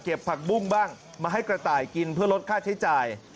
ผักบุ้งบ้างมาให้กระต่ายกินเพื่อลดค่าใช้จ่าย